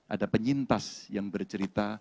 ada penyintas yang bercerita